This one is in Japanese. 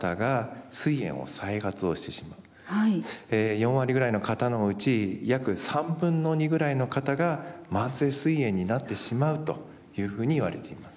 ４割ぐらいの方のうち約３分の２ぐらいの方が慢性すい炎になってしまうというふうにいわれています。